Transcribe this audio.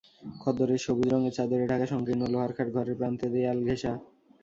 খদ্দরের সবুজ রঙের চাদরে ঢাকা সংকীর্ণ লোহার খাট ঘরের প্রান্তে দেয়াল-ঘেঁষা।